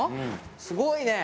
すごいね。